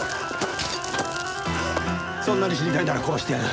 そんなに死にたいなら殺してやる。